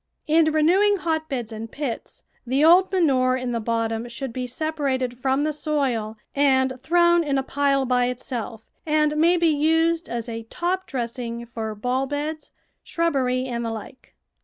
In renewing hotbeds and pits, the old manure in the bottom should be separated from the soil and thrown in a pile by itself, and may be used as a top dressing for bulb beds, shrubbery, and the like.